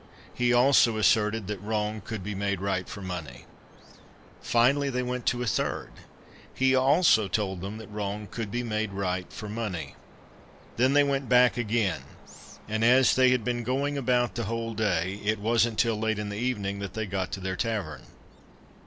He also asserted that wrong could be made right for money. Finally, they went to a third. He also told them that wrong could be made right for money. They then went back again, and as they had been going about the whole day, it wasn't till late in the evening that they got to their tavern.